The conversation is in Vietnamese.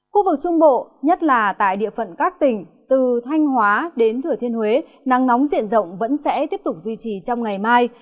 khu vực trung bộ nhất là tại địa phận các tỉnh từ thanh hóa đến thừa thiên huế nắng nóng diện rộng vẫn sẽ tiếp tục duy trì trong ngày mai